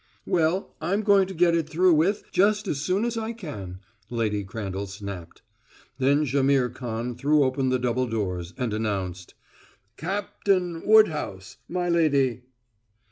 "Well, I'm going to get it through with just as soon as I can," Lady Crandall snapped. Then Jaimihr Khan threw open the double doors and announced: "Cap tain Wood house, my lady!"